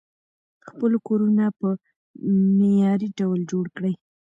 خپل کورونه په معیاري ډول جوړ کړئ.